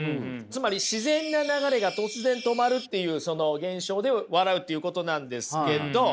つまり自然な流れが突然止まるっていうその現象で笑うっていうことなんですけど。